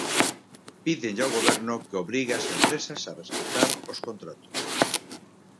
Pídenlle ao Goberno que obrigue ás empresas a respectar os contratos.